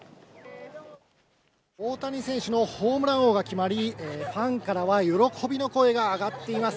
大谷選手のホームラン王が決まり、ファンからは喜びの声が上がっています。